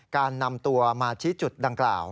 การนำตัวมาชี้จุดดังกล่าว